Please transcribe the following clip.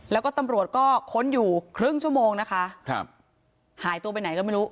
แล้วก็ตำรวจก็ค้นอยู่ครึ่งชั่วโมงนะคะครับหายตัวไปไหนก็ไม่รู้